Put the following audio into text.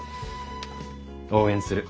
応援する。